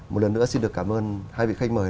một lần nữa xin được cảm ơn hai vị khách mời